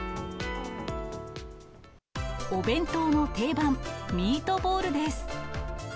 お弁当の定番、ミートボールです。